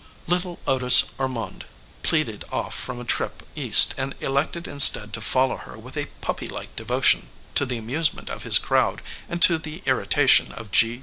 Little Otis Ormonde pleaded off from a trip East and elected instead to follow her with a puppylike devotion, to the amusement of his crowd and to the irritation of G.